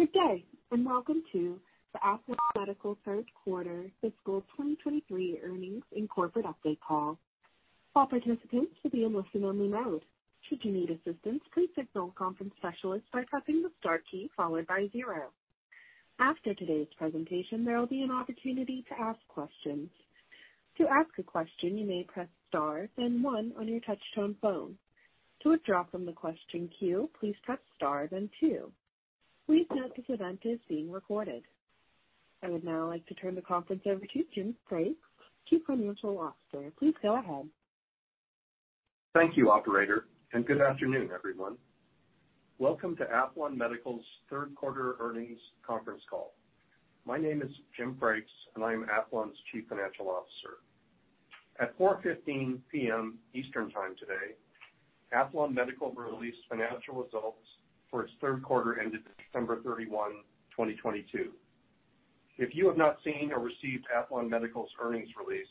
Good day, and welcome to the Aethlon Medical third quarter fiscal 2023 earnings and corporate update call. All participants will be in listen-only mode. Should you need assistance, please signal a conference specialist by pressing the star key followed by zero. After today's presentation, there will be an opportunity to ask questions. To ask a question, you may Press Star then one on your touchtone phone. To withdraw from the question queue, please press Star then two. Please note this event is being recorded. I would now like to turn the conference over to Jim Frakes, Chief Financial Officer. Please go ahead. Thank you, operator. Good afternoon, everyone. Welcome to Aethlon Medical's third quarter earnings conference call. My name is Jim Frakes. I am Aethlon's Chief Financial Officer. At 4:15 P.M. Eastern Time today, Aethlon Medical will release financial results for its third quarter ended 31st December 2022. If you have not seen or received Aethlon Medical's earnings release,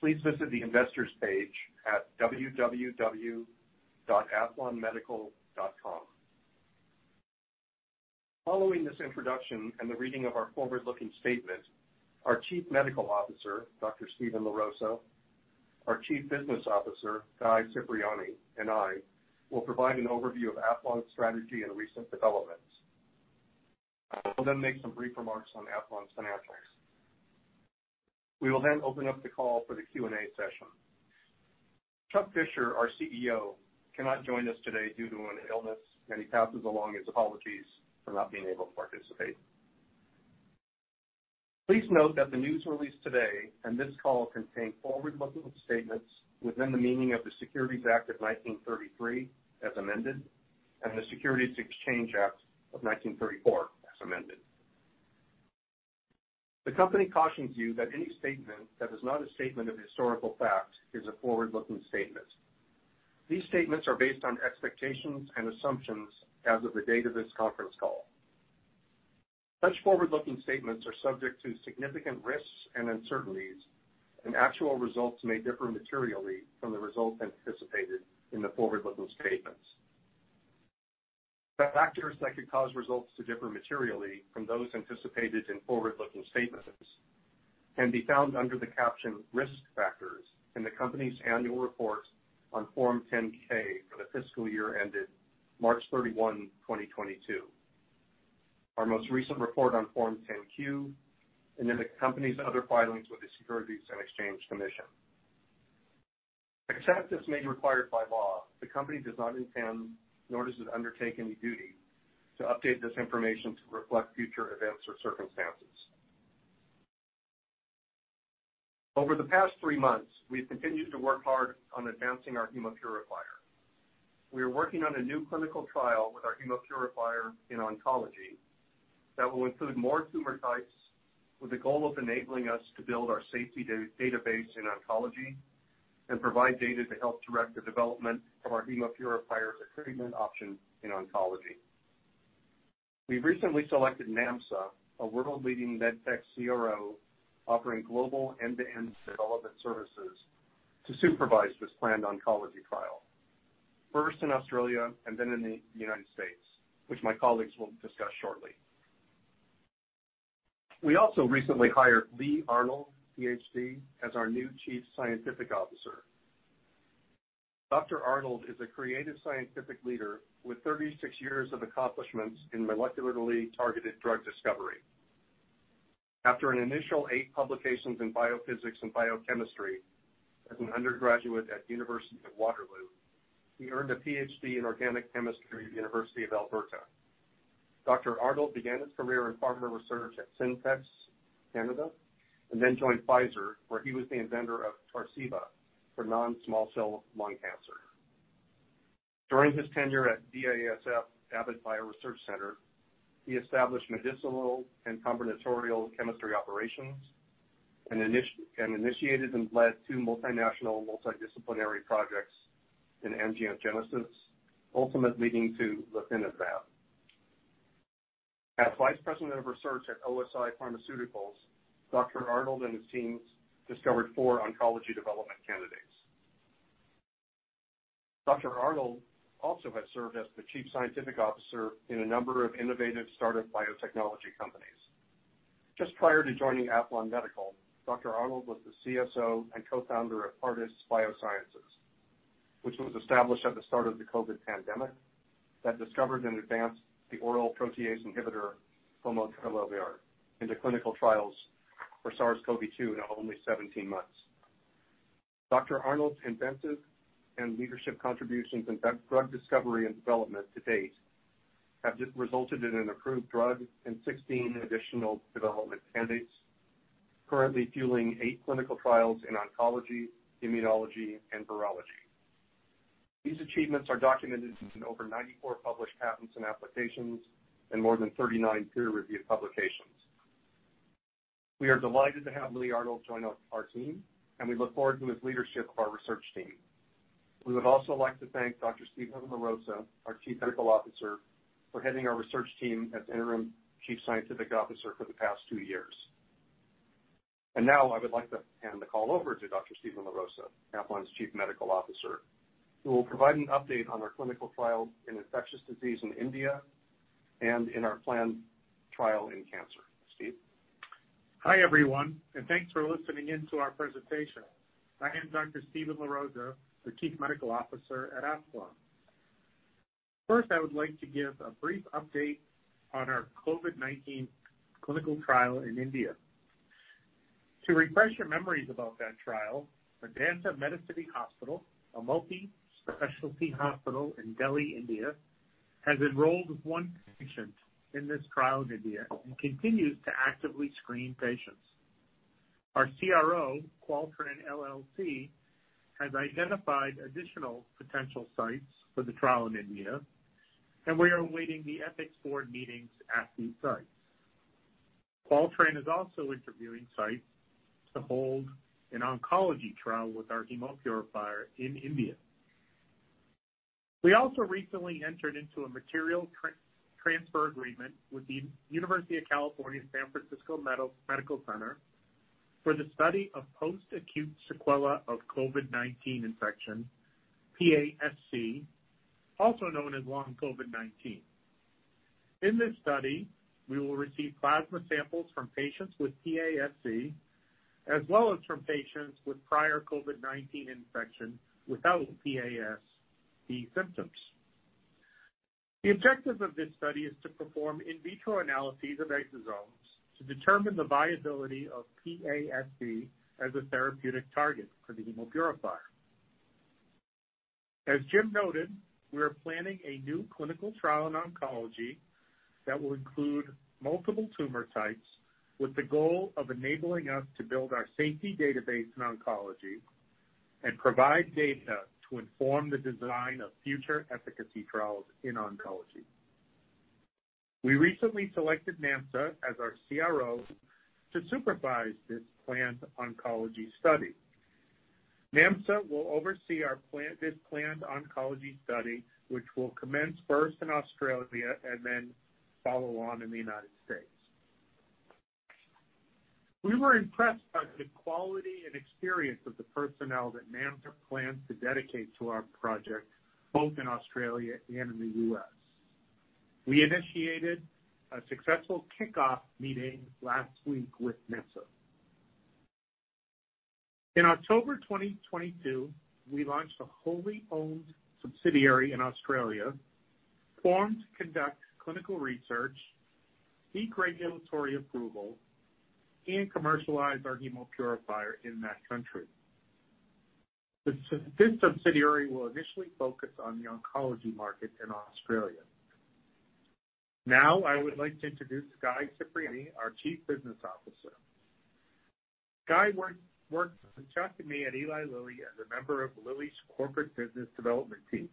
please visit the investors page at www.aethlonmedical.com. Following this introduction and the reading of our forward-looking statement, our Chief Medical Officer, Dr. Steven LaRosa, our Chief Business Officer, Guy Cipriani, and I will provide an overview of Aethlon's strategy and recent developments. I will make some brief remarks on Aethlon's financials. We will open up the call for the Q&A session. Chuck Fisher, our CEO, cannot join us today due to an illness. He passes along his apologies for not being able to participate. Please note that the news release today and this call contain forward-looking statements within the meaning of the Securities Act of 1933 as amended, and the Securities Exchange Act of 1934 as amended. The company cautions you that any statement that is not a statement of historical fact is a forward-looking statement. These statements are based on expectations and assumptions as of the date of this conference call. Such forward-looking statements are subject to significant risks and uncertainties, and actual results may differ materially from the results anticipated in the forward-looking statements. The factors that could cause results to differ materially from those anticipated in forward-looking statements can be found under the caption Risk Factors in the company's annual report on Form 10-K for the fiscal year ended 31st March 2022. Our most recent report on Form 10-Q and in the company's other filings with the Securities and Exchange Commission. Except as may be required by law, the company does not intend nor does it undertake any duty to update this information to reflect future events or circumstances. Over the past three months, we've continued to work hard on advancing our Hemopurifier. We are working on a new clinical trial with our Hemopurifier in oncology that will include more tumor types with the goal of enabling us to build our safety database in oncology and provide data to help direct the development of our Hemopurifier as a treatment option in oncology. We recently selected NAMSA, a world-leading MedTech CRO offering global end-to-end development services to supervise this planned oncology trial, first in Australia and then in the United States, which my colleagues will discuss shortly. We also recently hired Lee Arnold, PhD, as our new Chief Scientific Officer. Dr. Arnold is a creative scientific leader with 36 years of accomplishments in molecularly targeted drug discovery. After an initial eight publications in biophysics and biochemistry as an undergraduate at University of Waterloo, he earned a PhD in organic chemistry at University of Alberta. Dr. Arnold began his career in pharma research at Syntex Canada and then joined Pfizer, where he was the inventor of Tarceva for non-small cell lung cancer. During his tenure at BASF, Abbott Bioresearch Center, he established medicinal and combinatorial chemistry operations and initiated and led two multinational, multidisciplinary projects in angiogenesis, ultimately leading to gefitinib. As Vice President of Research at OSI Pharmaceuticals, Dr. Arnold and his teams discovered four oncology development candidates. Dr. Arnold also has served as the Chief Scientific Officer in a number of innovative startup biotechnology companies. Just prior to joining Aethlon Medical, Dr. Arnold was the CSO and co-founder of Pardes Biosciences, which was established at the start of the COVID pandemic that discovered in advance the oral protease inhibitor, pomotrelvir, into clinical trials for SARS-CoV-2 in only 17 months. Dr. Arnold's inventive and leadership contributions in drug discovery and development to date have just resulted in an approved drug and 16 additional development candidates currently fueling eight clinical trials in oncology, immunology, and virology. These achievements are documented in over 94 published patents and applications and more than 39 peer-reviewed publications. We are delighted to have Lee Arnold join our team. We look forward to his leadership of our research team. We would also like to thank Dr. Steven LaRosa, our chief medical officer, for heading our research team as interim chief scientific officer for the past two years. Now I would like to hand the call over to Dr. Steven LaRosa, Aethlon's chief medical officer, who will provide an update on our clinical trial in infectious disease in India and in our planned trial in cancer. Steve. Hi, everyone, and thanks for listening in to our presentation. I am Dr. Steven LaRosa, the chief medical officer at Aethlon. First, I would like to give a brief update on our COVID-19 clinical trial in India. To refresh your memories about that trial, Medanta Medicity Hospital, a multi-specialty hospital in Delhi, India, has enrolled one patient in this trial in India and continues to actively screen patients. Our CRO, Qualtran LLC, has identified additional potential sites for the trial in India. We are awaiting the ethics board meetings at these sites. Qualtran is also interviewing sites to hold an oncology trial with our Hemopurifier in India. We also recently entered into a material transfer agreement with the University of California San Francisco Medical Center for the study of post-acute sequelae of COVID-19 infection, PASC, also known as long COVID-19. In this study, we will receive plasma samples from patients with PASC, as well as from patients with prior COVID-19 infection without PASC symptoms. The objective of this study is to perform in vitro analyses of exosomes to determine the viability of PASC as a therapeutic target for the Hemopurifier. As Jim noted, we are planning a new clinical trial in oncology that will include multiple tumor types with the goal of enabling us to build our safety database in oncology and provide data to inform the design of future efficacy trials in oncology. We recently selected NAMSA as our CRO to supervise this planned oncology study. NAMSA will oversee this planned oncology study, which will commence first in Australia and then follow on in the United States. We were impressed by the quality and experience of the personnel that NAMSA plans to dedicate to our project, both in Australia and in the U.S. We initiated a successful kickoff meeting last week with NAMSA. In October 2022, we launched a wholly-owned subsidiary in Australia formed to conduct clinical research, seek regulatory approval, and commercialize our Hemopurifier in that country. This subsidiary will initially focus on the oncology market in Australia. I would like to introduce Guy Cipriani, our Chief Business Officer. Guy worked with Chuck and me at Eli Lilly as a member of Lilly's Corporate Business Development team,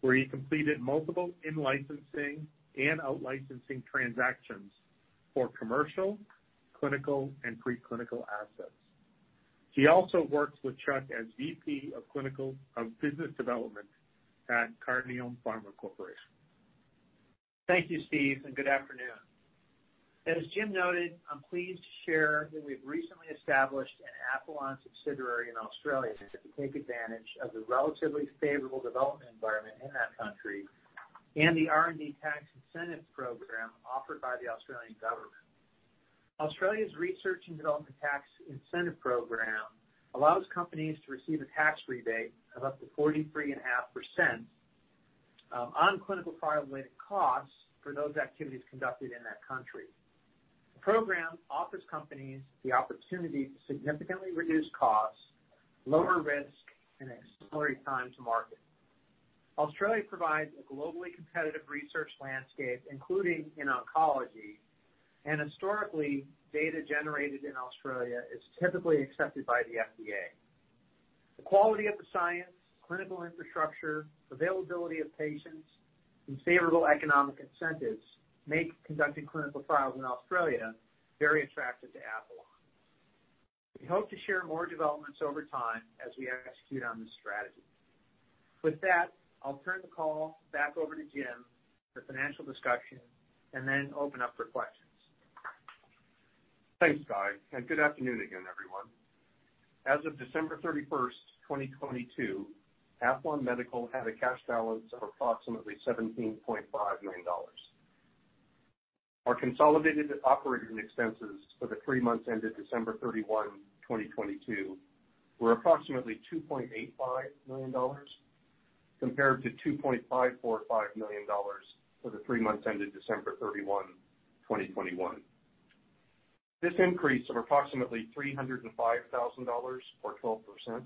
where he completed multiple in-licensing and out-licensing transactions for commercial, clinical, and pre-clinical assets. He also worked with Chuck as VP of Clinical of Business Development at Cardiome Pharma Corporation. Thank you, Steve. Good afternoon. As Jim noted, I'm pleased to share that we've recently established an Aethlon subsidiary in Australia to take advantage of the relatively favorable development environment in that country and the R&D Tax Incentive program offered by the Australian government. Australia's R&D Tax Incentive program allows companies to receive a tax rebate of up to 43.5% on clinical trial-related costs for those activities conducted in that country. The program offers companies the opportunity to significantly reduce costs, lower risk, and accelerate time to market. Australia provides a globally competitive research landscape, including in oncology. Historically, data generated in Australia is typically accepted by the FDA. The quality of the science, clinical infrastructure, availability of patients, and favorable economic incentives make conducting clinical trials in Australia very attractive to Aethlon. We hope to share more developments over time as we execute on this strategy. With that, I'll turn the call back over to Jim for the financial discussion and then open up for questions. Thanks, Guy. Good afternoon again, everyone. As of 31st Decemberst, 2022, Aethlon Medical had a cash balance of approximately $17.5 million. Our consolidated operating expenses for the three months ended 31st December 2022 were approximately $2.85 million compared to $2.545 million for the three months ended 31st December 2021. This increase of approximately $305,000 or 12%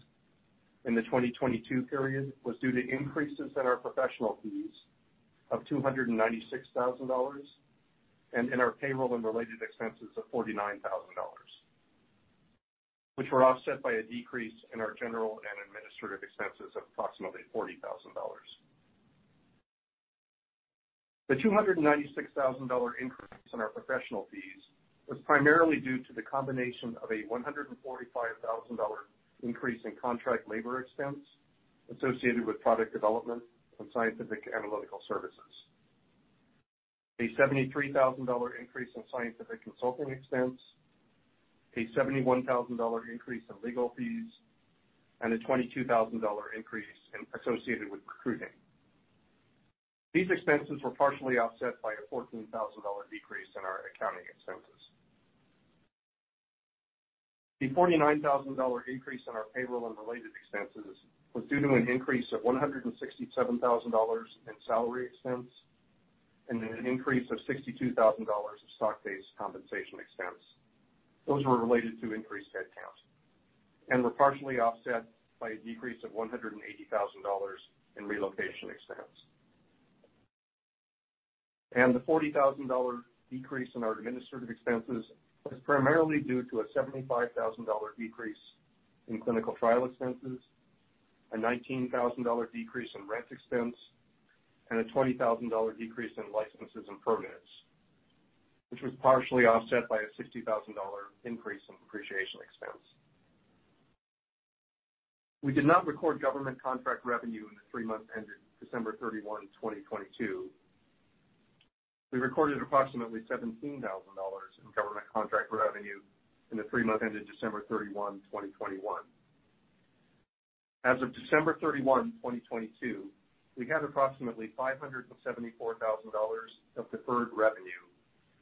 in the 2022 period was due to increases in our professional fees of $296,000 and in our payroll and related expenses of $49,000, which were offset by a decrease in our general and administrative expenses of approximately $40,000. The $296,000 increase in our professional fees was primarily due to the combination of a $145,000 increase in contract labor expense associated with product development and scientific analytical services, a $73,000 increase in scientific consulting expense, a $71,000 increase in legal fees, and a $22,000 increase in associated with recruiting. These expenses were partially offset by a $14,000 decrease in our accounting expenses. The $49,000 increase in our payroll and related expenses was due to an increase of $167,000 in salary expense and an increase of $62,000 of stock-based compensation expense. Those were related to increased headcount and were partially offset by a decrease of $180,000 in relocation expense. The $40,000 decrease in our administrative expenses was primarily due to a $75,000 decrease in clinical trial expenses, a $19,000 decrease in rent expense, and a $20,000 decrease in licenses and permits, which was partially offset by a $60,000 increase in depreciation expense. We did not record government contract revenue in the three months ended 31st December 2022. We recorded approximately $17,000 in government contract revenue in the three months ended 31st December 2021. As of 31st December 2022, we had approximately $574,000 of deferred revenue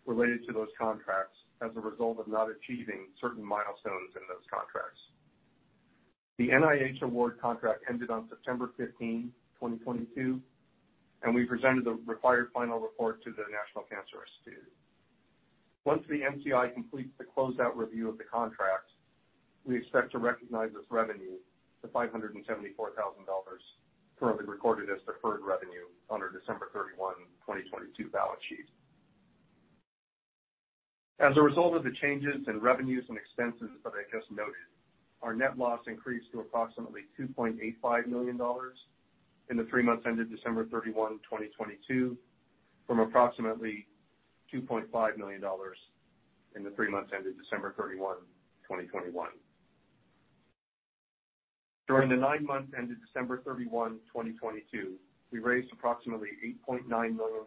related to those contracts as a result of not achieving certain milestones in those contracts. The NIH award contract ended on 15th September 2022. We presented the required final report to the National Cancer Institute. Once the NCI completes the closeout review of the contract, we expect to recognize as revenue the $574,000 currently recorded as deferred revenue on our 31st December, 2022 balance sheet. As a result of the changes in revenues and expenses that I just noted, our net loss increased to approximately $2.85 million in the three months ended 31st December 2022, from approximately $2.5 million in the three months ended 31st December 2021. During the nine months ended 31st December 2022, we raised approximately $8.9 million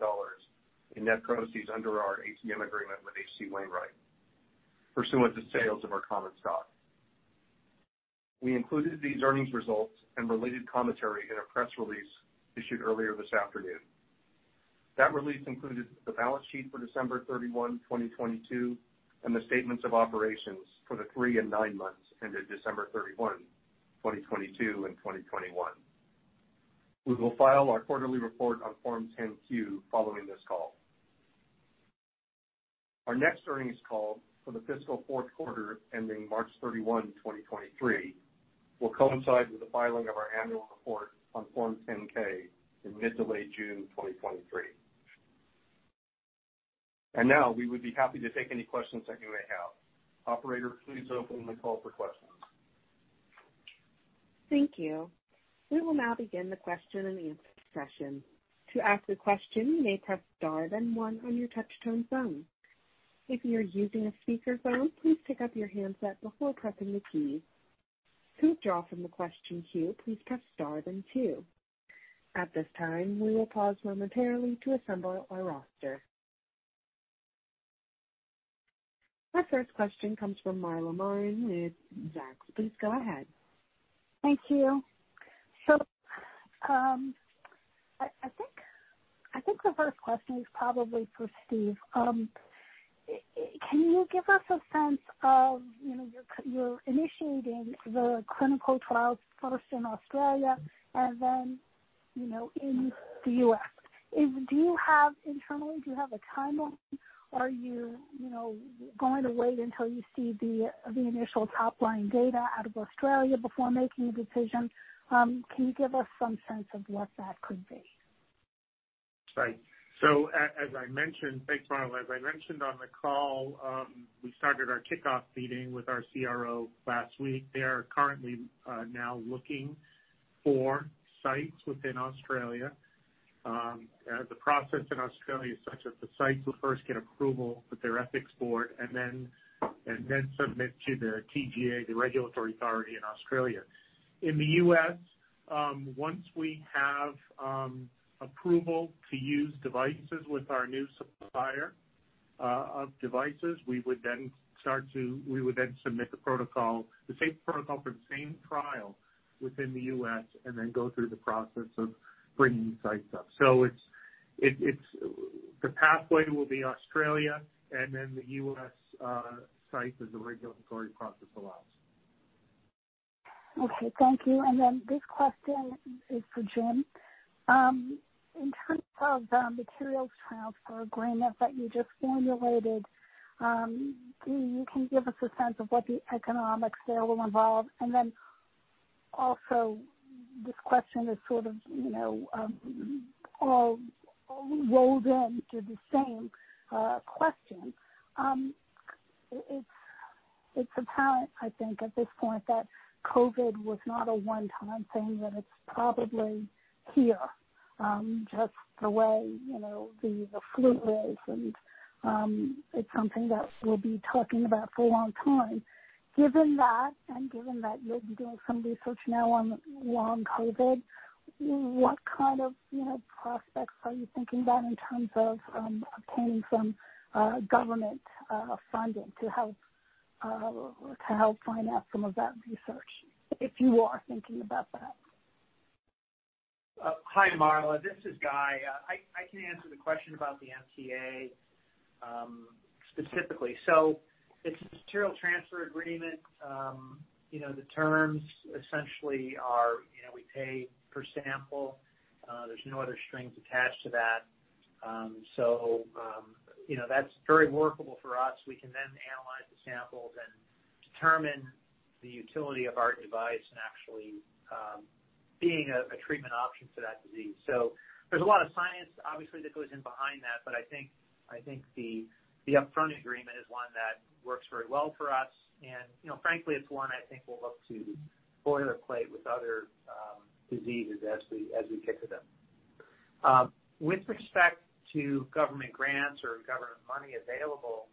in net proceeds under our ATM agreement with H.C. Wainwright pursuant to sales of our common stock. We included these earnings results and related commentary in a press release issued earlier this afternoon. That release included the balance sheet for 31st December, 2022, and the statements of operations for the 3 and 9 months ended 31st December, 2022 and 2021. We will file our quarterly report on Form 10-Q following this call. Our next earnings call for the fiscal fourth quarter ending 31st March 2023, will coincide with the filing of our annual report on Form 10-K in mid to late June 2023. Now we would be happy to take any questions that you may have. Operator, please open the call for questions. Thank you. We will now begin the question and answer session. To ask a question, you may press star then one on your touchtone phone. If you're using a speakerphone, please pick up your handset before pressing the key. To withdraw from the question queue, please press star then two. At this time, we will pause momentarily to assemble our roster. Our first question comes from Marla Marin with Zacks. Please go ahead. Thank you. I think the first question is probably for Steve. Can you give us a sense of, you know, you're initiating the clinical trials first in Australia and then, you know, in the U.S. Do you have internally, do you have a timeline? Are you know, going to wait until you see the initial top-line data out of Australia before making a decision? Can you give us some sense of what that could be? As I mentioned. Thanks, Marla. As I mentioned on the call, we started our kickoff meeting with our CRO last week. They are currently now looking for sites within Australia. The process in Australia is such that the sites will first get approval with their ethics board and then submit to their TGA, the regulatory authority in Australia. In the U.S. once we have approval to use devices with our new supplier of devices, we would then submit the protocol, the same protocol for the same trial within the U.S. and then go through the process of bringing sites up. The pathway will be Australia and then the U.S. site as the regulatory process allows. Okay, thank you. This question is for Jim. In terms of materials transfer agreement that you just formulated, you can give us a sense of what the economics there will involve? Also this question is sort of, you know, all rolled into the same question. It's apparent, I think, at this point that COVID was not a one-time thing, that it's probably here, just the way, you know, the flu is, and it's something that we'll be talking about for a long time. Given that, and given that you're doing some research now on long COVID, what kind of, you know, prospects are you thinking about in terms of obtaining some government funding to help... to help finance some of that research, if you are thinking about that. Hi Marla, this is Guy. I can answer the question about the MTA specifically. It's a material transfer agreement. You know, the terms essentially are, you know, we pay per sample. There's no other strings attached to that. So, you know, that's very workable for us. We can then analyze the samples and determine the utility of our device and actually, being a treatment option for that disease. There's a lot of science obviously that goes in behind that, but I think the upfront agreement is one that works very well for us. You know, frankly, it's one I think we'll look to boilerplate with other diseases as we kick to them. With respect to government grants or government money available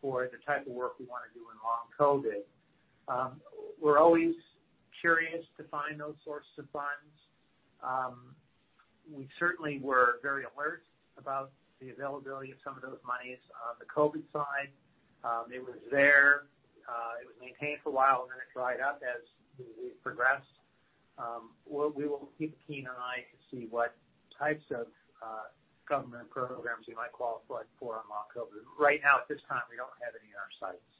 for the type of work we wanna do in long COVID, we're always curious to find those sources of funds. We certainly were very alert about the availability of some of those monies. On the COVID side, it was there, it was maintained for a while and then it dried up as the disease progressed. We will keep a keen eye to see what types of government programs we might qualify for on long COVID. Right now, at this time, we don't have any in our sights.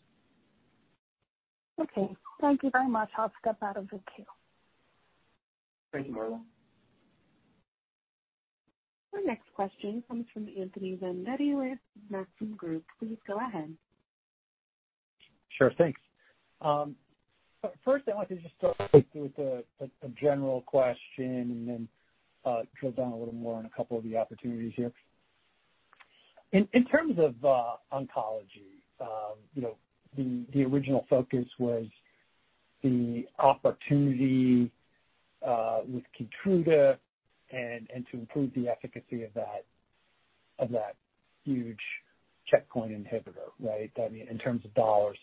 Okay. Thank you very much. I'll step out of the queue. Thank you, Marla. Our next question comes from Anthony Vendetti with Maxim Group. Please go ahead. Sure. Thanks. First I wanted to just start with a general question and then drill down a little more on a couple of the opportunities here. In terms of oncology, you know, the original focus was the opportunity with KEYTRUDA and to improve the efficacy of that huge checkpoint inhibitor, right? I mean, in terms of dollars,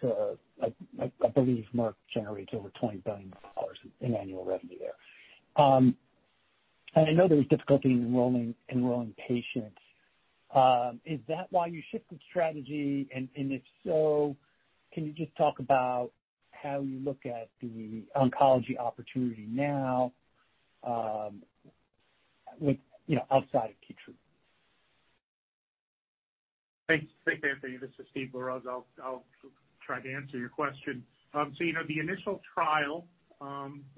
so I believe Merck generates over $20 billion in annual revenue there. I know there was difficulty in enrolling patients. Is that why you shifted strategy? If so, can you just talk about how you look at the oncology opportunity now with, you know, outside of KEYTRUDA? Thanks. Thanks, Anthony. This is Steven LaRosa. I'll try to answer your question. You know, the initial trial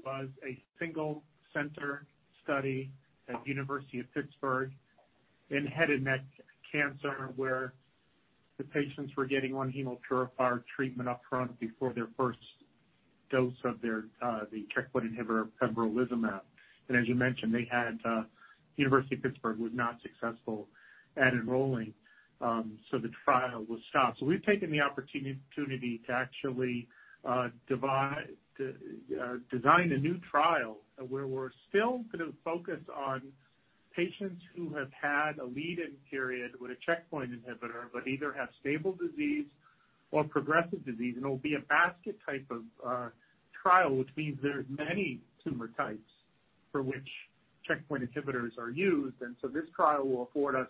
was a single center study at University of Pittsburgh in head and neck cancer where the patients were getting one Hemopurifier treatment up front before their first dose of their checkpoint inhibitor pembrolizumab. As you mentioned, University of Pittsburgh was not successful at enrolling, the trial was stopped. We've taken the opportunity to actually design a new trial where we're still gonna focus on patients who have had a lead-in period with a checkpoint inhibitor, either have stable disease or progressive disease. It'll be a basket trial, which means there's many tumor types for which checkpoint inhibitors are used. This trial will afford us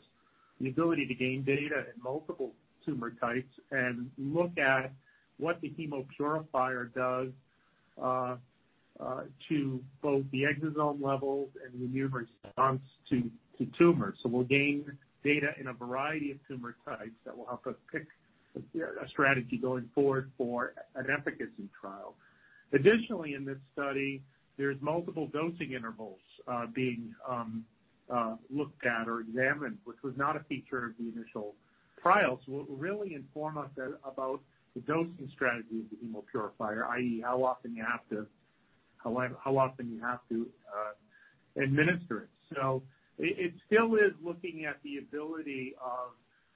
the ability to gain data in multiple tumor types and look at what the Hemopurifier does to both the exosome levels and the immune response to tumors. We'll gain data in a variety of tumor types that will help us pick a strategy going forward for an efficacy trial. Additionally, in this study, there's multiple dosing intervals, being looked at or examined, which was not a feature of the initial trial. It will really inform us about the dosing strategy of the Hemopurifier, i.e. how often you have to administer it. It still is looking at the ability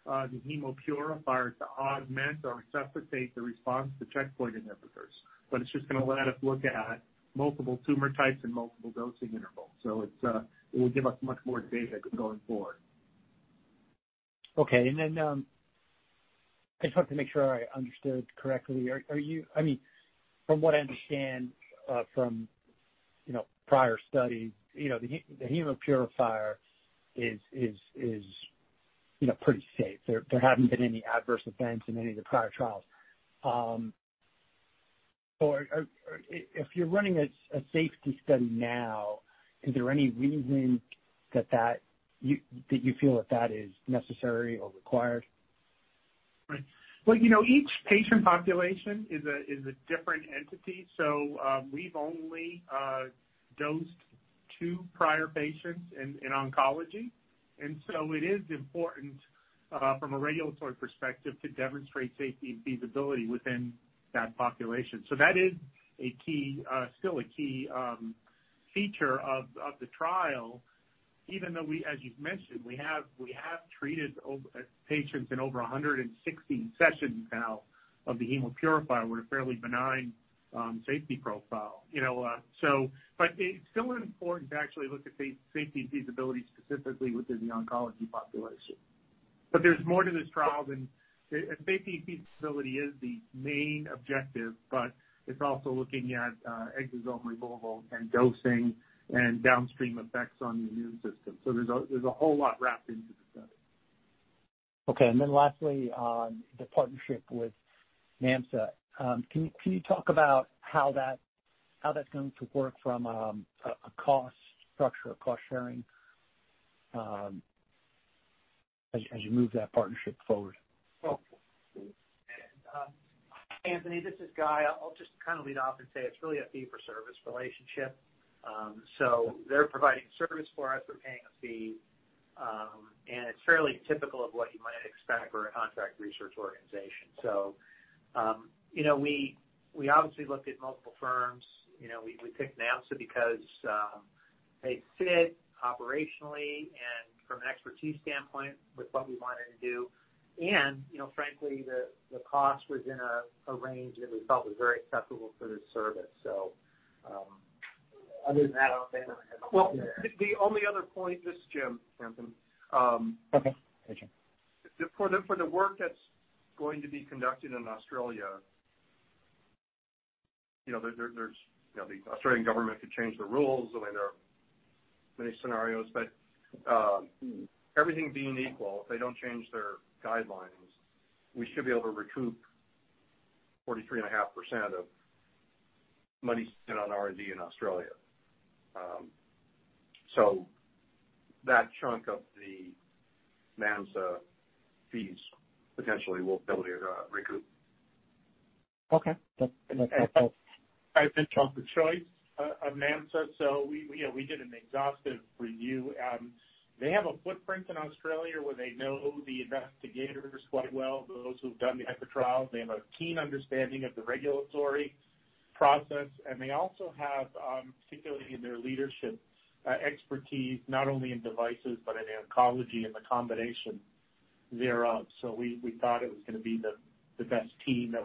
of the Hemopurifier to augment or resuscitate the response to checkpoint inhibitors, but it's just gonna let us look at multiple tumor types and multiple dosing intervals. It will give us much more data going forward. Okay. I just want to make sure I understood correctly. Are I mean, from what I understand, from, you know, prior studies, you know, the Hemopurifier is, you know, pretty safe. There, there haven't been any adverse events in any of the prior trials. Are if you're running a safety study now, is there any reason that you, that you feel that that is necessary or required? Right. Well, you know, each patient population is a different entity, so we've only dosed two prior patients in oncology. It is important from a regulatory perspective to demonstrate safety and feasibility within that population. That is a key, still a key feature of the trial, even though we, as you've mentioned, we have treated over patients in over 160 sessions now of the Hemopurifier with a fairly benign safety profile, you know. It's still important to actually look at safety and feasibility specifically within the oncology population. There's more to this trial than safety and feasibility is the main objective, but it's also looking at exosome removal and dosing and downstream effects on the immune system. There's a whole lot wrapped into the study. Lastly, on the partnership with NAMSA, can you talk about how that's going to work from a cost structure, a cost sharing, as you move that partnership forward? Well, Anthony, this is Guy. I'll just kind of lead off and say it's really a fee-for-service relationship. They're providing service for us. We're paying a fee, and it's fairly typical of what you might expect for a contract research organization. You know, we obviously looked at multiple firms. You know, we picked NAMSA because they fit operationally and from an expertise standpoint with what we wanted to do. You know, frankly, the cost was in a range that we felt was very acceptable for the service. Other than that, I don't think I have- Well, the only other point, this is Jim, Anthony. Okay. Hey, Jim. For the work that's going to be conducted in Australia, you know, The Australian government could change the rules. I mean, there are many scenarios, but everything being equal, if they don't change their guidelines, we should be able to recoup 43.5% of money spent on R&D in Australia. That chunk of the NAMSA fees potentially we'll be able to recoup. Okay. That's helpful. I've been told the choice of NAMSA. We, you know, we did an exhaustive review. They have a footprint in Australia where they know the investigators quite well, those who've done the HIFI trials. They have a keen understanding of the regulatory process. They also have, particularly in their leadership, expertise not only in devices but in oncology and the combination thereof. We, we thought it was gonna be the best team that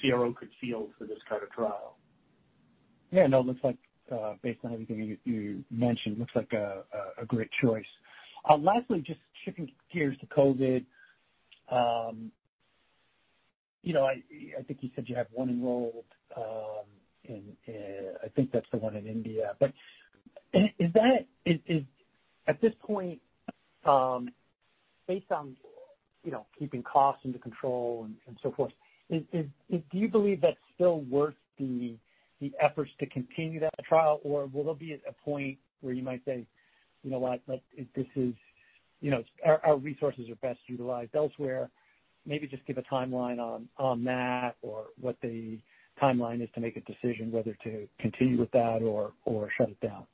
CRO could field for this kind of trial. Yeah. No, looks like, based on everything you mentioned, looks like a great choice. Lastly, just shifting gears to COVID, you know, I think you said you have one enrolled in I think that's the one in India. Is, at this point, based on, you know, keeping costs under control and so forth, do you believe that's still worth the efforts to continue that trial? Will there be a point where you might say, "You know what, like, this is, you know, our resources are best utilized elsewhere." Maybe just give a timeline on that or what the timeline is to make a decision whether to continue with that or shut it down.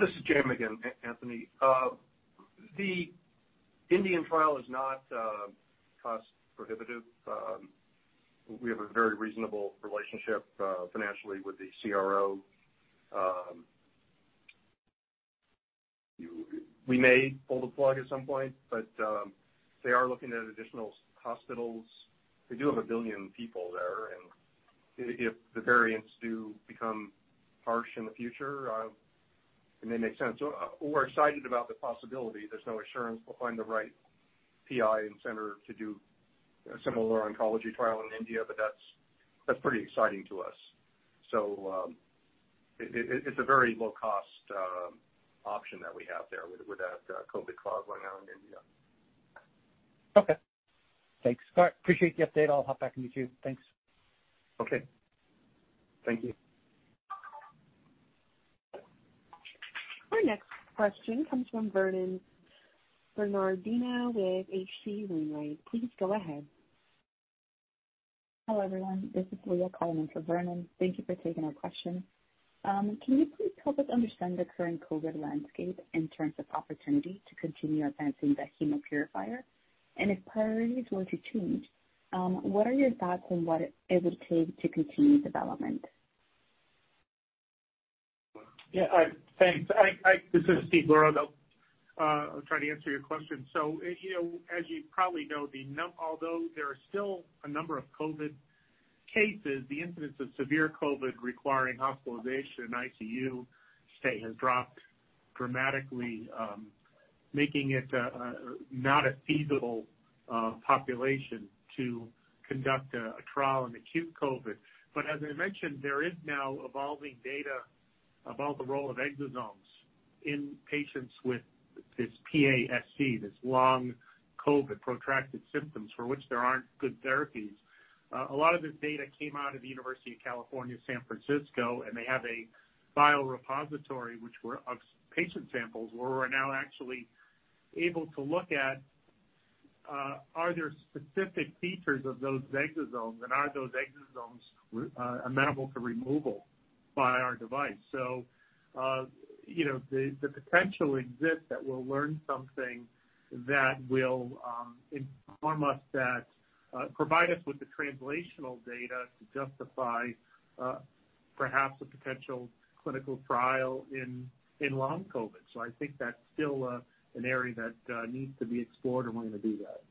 This is Jim again, Anthony. The Indian trial is not cost prohibitive. We have a very reasonable relationship, financially with the CRO. We may pull the plug at some point, but they are looking at additional hospitals. They do have 1 billion people there, and if the variants do become harsh in the future, it may make sense. We're excited about the possibility. There's no assurance we'll find the right PI and center to do a similar oncology trial in India, but that's pretty exciting to us. It's a very low cost option that we have there with that COVID trial going on in India. Okay. Thanks. All right. Appreciate the update. I'll hop back on with you. Thanks. Okay. Thank you. Our next question comes from Vernon Bernardino with H.C. Wainwright & Co. Please go ahead. Hello, everyone. This is Leah calling in for Vernon. Thank you for taking our question. Can you please help us understand the current COVID landscape in terms of opportunity to continue advancing the Hemopurifier? If priorities were to change, what are your thoughts on what it would take to continue development? Thanks. This is Steve LuRaso. I'll try to answer your question. You know, as you probably know, although there are still a number of COVID cases, the incidence of severe COVID requiring hospitalization in ICU stay has dropped dramatically, making it not a feasible population to conduct a trial in acute COVID. As I mentioned, there is now evolving data about the role of exosomes in patients with this PASC, this long COVID protracted symptoms for which there aren't good therapies. A lot of this data came out of the University of California, San Francisco, and they have a biorepository which were of patient samples, where we're now actually able to look at, are there specific features of those exosomes and are those exosomes amenable to removal by our device. you know, the potential exists that we'll learn something that will inform us that provide us with the translational data to justify, perhaps a potential clinical trial in long COVID. I think that's still an area that needs to be explored, and we're gonna do that.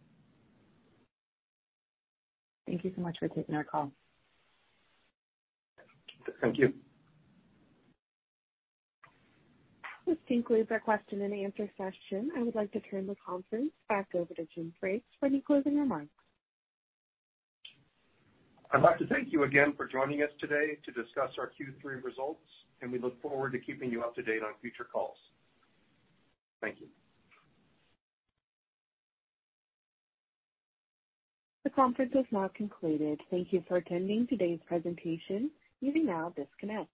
Thank you so much for taking our call. Thank you. This concludes our question and answer session. I would like to turn the conference back over to Jim Frakes for any closing remarks. I'd like to thank you again for joining us today to discuss our Q3 results, and we look forward to keeping you up to date on future calls. Thank you. The conference is now concluded. Thank you for attending today's presentation. You may now disconnect.